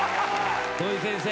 土井先生